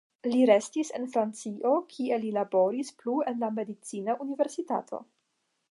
Li restis en Francio, kie li laboris plu en la medicina universitato.